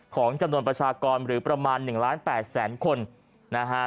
ของจำนวนประชากรหรือประมาณ๑ล้าน๘แสนคนนะฮะ